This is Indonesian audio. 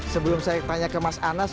sebelum saya tanya ke mas anas